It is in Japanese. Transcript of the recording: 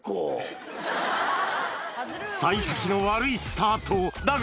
さい先の悪いスタートだが。